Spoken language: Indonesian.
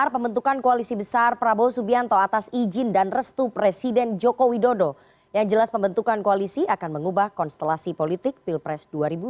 perjalanan koalisi akan mengubah konstelasi politik pilpres dua ribu dua puluh empat